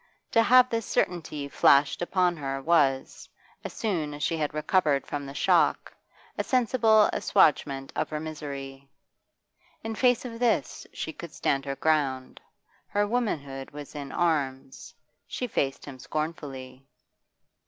To have this certainty flashed upon her was, as soon as she had recovered from the shock, a sensible assuagement of her misery. In face of this she could stand her ground. Her womanhood was in arms; she faced him scornfully.